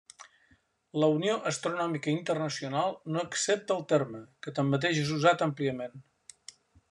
La Unió Astronòmica Internacional no accepta el terme, que tanmateix és usat àmpliament.